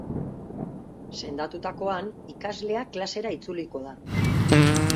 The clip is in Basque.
Sendatutakoan, ikaslea klasera itzuliko da.